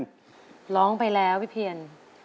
อเรนนี่แบบล้องไปแล้วบิเพียน